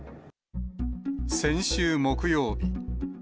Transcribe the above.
先週木曜日。